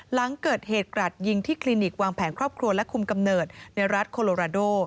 หลังเกิดเหตุกรัดยิงที่คลินิกวางแผนครอบครัวและคุมกำเนิดในรัฐโคโลราโด